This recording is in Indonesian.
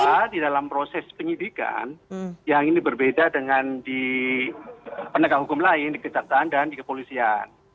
karena di dalam proses penyidikan yang ini berbeda dengan di penegak hukum lain di kejaksaan dan di kepolisian